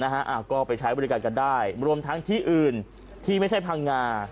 อ่าก็ไปใช้บริการกันได้รวมทั้งที่อื่นที่ไม่ใช่พังงา